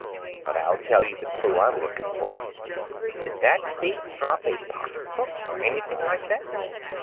But I'll tell you the clue I'm looking for. Did that thief drop a pocketbook, or anything like that?"